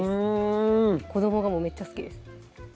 うん子どもがめっちゃ好きです